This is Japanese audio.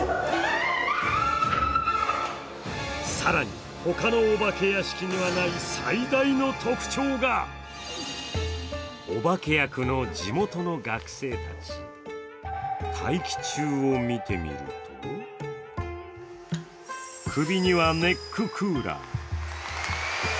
更に、他のお化け屋敷にはない最大の特徴がお化け役の地元の学生たち、待機中を見てみると首にはネッククーラー。